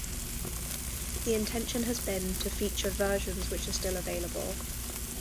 The intention has been to feature versions which are still available.